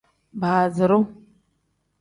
Baaziru.